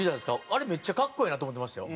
あれめっちゃ格好ええなと思ってましたよ。